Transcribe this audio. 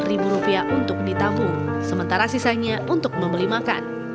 sepuluh ribu rupiah untuk ditabung sementara sisanya untuk membeli makan